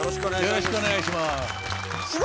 よろしくお願いします。